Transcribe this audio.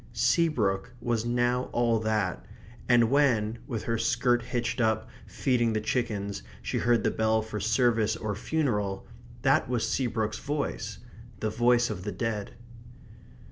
Seabrook was now all that; and when, with her skirt hitched up, feeding the chickens, she heard the bell for service or funeral, that was Seabrook's voice the voice of the dead.